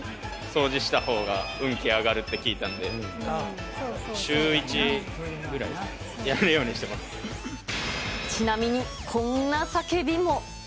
掃除したほうが運気上がるって聞いたので、週１くらいですかちなみに、こんな叫びも。